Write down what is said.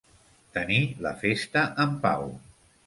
Tenir la festa en pau.